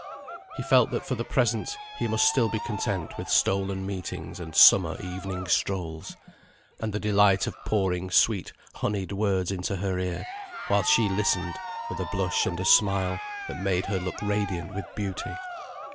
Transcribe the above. He felt that for the present he must still be content with stolen meetings and summer evening strolls, and the delight of pouring sweet honeyed words into her ear, while she listened with a blush and a smile that made her look radiant with beauty.